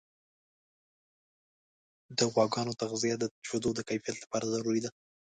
د غواګانو تغذیه د شیدو د کیفیت لپاره ضروري ده.